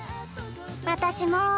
私も。